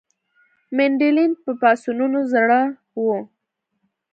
منډلینډ د پاڅونونو زړه وو.